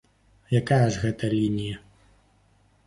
Якая ж гэта лінія?